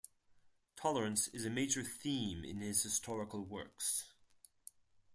Tolerance is a major theme in his historical works.